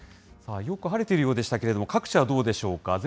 よく晴れていたようでしたけれども、各地はどうでしょうか。